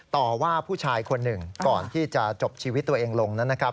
ต่อว่าผู้ชายคนหนึ่งก่อนที่จะจบชีวิตตัวเองลงนั้นนะครับ